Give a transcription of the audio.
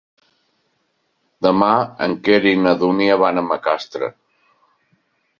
Demà en Quer i na Dúnia van a Macastre.